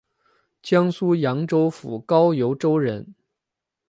江苏扬州府高邮州人。